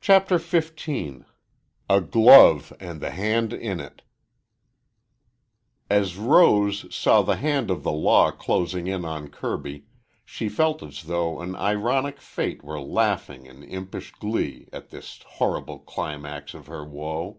CHAPTER XV A GLOVE AND THE HAND IN IT As Rose saw the hand of the law closing in on Kirby, she felt as though an ironic fate were laughing in impish glee at this horrible climax of her woe.